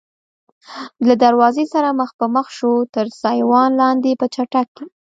له دروازې سره مخ په مخ شوو، تر سایوان لاندې په چټک کې.